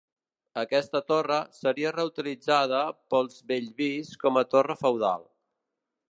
Aquesta torre, seria reutilitzada, pels Bellvís com a torre feudal.